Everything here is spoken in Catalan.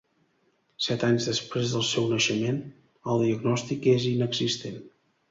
Set anys després del seu naixement, el diagnòstic és inexistent.